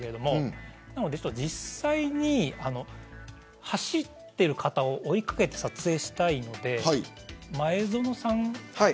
実際に走っている方を追いかけて撮影したいので前園さん。